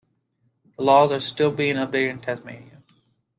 The laws are still being updated in Tasmania.